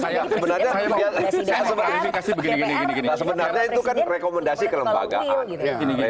saya sebenarnya itu kan rekomendasi kelembagaan